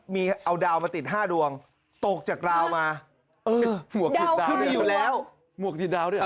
มีเอาดาวมาติด๕ดวงตกจากราวมาเออหมวกติดดาวด้วย